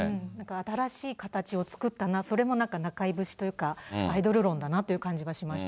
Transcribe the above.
新しい形を作ったな、それもなんか中居節というか、アイドル論だなという気がしました。